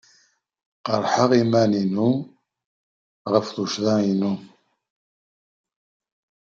Keṛheɣ iman-inu ɣef tuccḍa-inu.